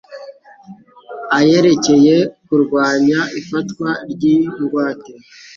ayerekeye kurwanya ifatwa ry'ingwate